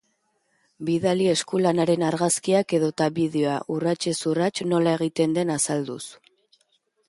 Bidali eskulanaren argazkiak edota bideoa, urratsez urrats nola egiten den azalduz.